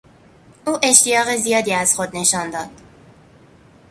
او اشتیاق زیادی از خود نشان داد.